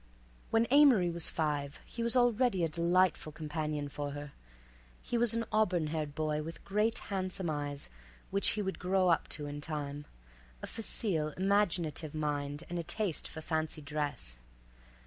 When Amory was five he was already a delightful companion for her. He was an auburn haired boy, with great, handsome eyes which he would grow up to in time, a facile imaginative mind and a taste for fancy dress.